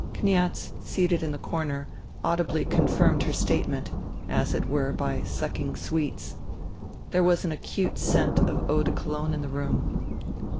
Kniaz, seated in the corner, audibly confirmed her statement, as it were, by sucking sweets. There was an acute scent of eau de Cologne in the room.